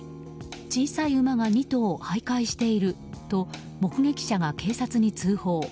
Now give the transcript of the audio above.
小さい馬が２頭、徘徊していると目撃者が警察に通報。